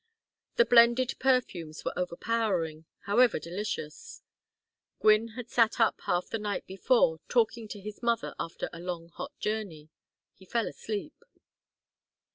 The blended perfumes were overpowering, however delicious; Gwynne had sat up half the night before talking to his mother after a long hot journey; he fell asleep.